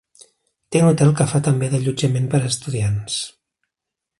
Té un hotel que fa també d'allotjament per a estudiants.